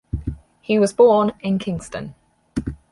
He was born in Kingston.